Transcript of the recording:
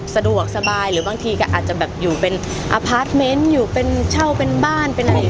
สบายหรือบางทีก็อาจจะแบบอยู่เป็นอยู่เป็นเช่าเป็นบ้านเป็นอะไรอย่าง